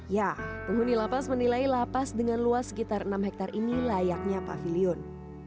ya penghuni lapas menilai lapas dengan luas sekitar enam hektare ini layaknya pavilion